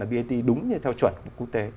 bat đúng như theo chuẩn của quốc tế